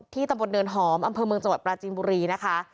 ตำบลเนินหอมอำเภอเมืองจังหวัดปราจีนบุรีนะคะ